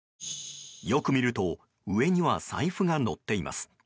よく見ると上には財布が載っています。